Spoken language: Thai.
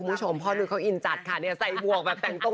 กับพูดวันพีสเป็นการ์ตูน